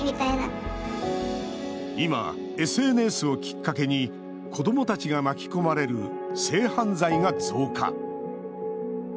今、ＳＮＳをきっかけに子どもたちが巻き込まれる性犯罪が増加。